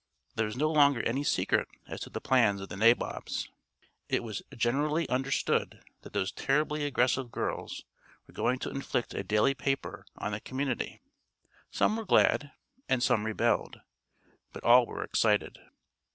There was no longer any secret as to the plans of the "nabobs"; it was generally understood that those terribly aggressive girls were going to inflict a daily paper on the community. Some were glad, and some rebelled, but all were excited.